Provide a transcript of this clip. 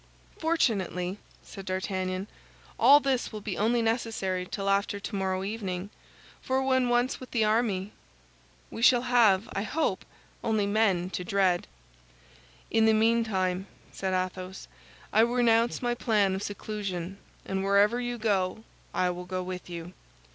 "Fortunately," said D'Artagnan, "all this will be only necessary till after tomorrow evening, for when once with the army, we shall have, I hope, only men to dread." "In the meantime," said Athos, "I renounce my plan of seclusion, and wherever you go, I will go with you.